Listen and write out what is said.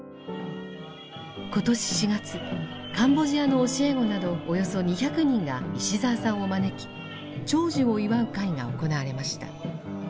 今年４月カンボジアの教え子などおよそ２００人が石澤さんを招き長寿を祝う会が行われました。